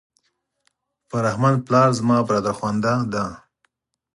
فرهمند پلار زما برادرخوانده دی.